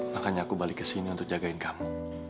makanya aku balik kesini untuk jagain kamu